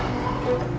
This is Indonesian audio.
bisa di rumah ya